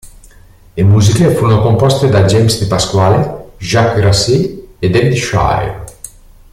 Le musiche furono composte da James Di Pasquale, Jacques Grassi e David Shire.